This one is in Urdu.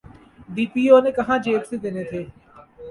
ڈی پی او نے کہاں جیب سے دینے تھے۔